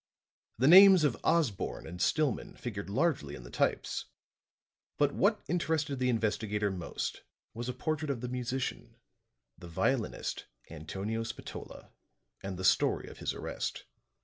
The names of Osborne and Stillman figured largely in the types; but what interested the investigator most was a portrait of the musician the violinist, Antonio Spatola, and the story of his arrest.